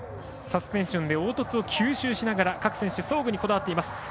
サスペンションで凹凸を吸収しながら各選手、装具にこだわっています。